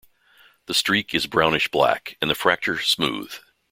The streak is brownish black and the fracture smooth.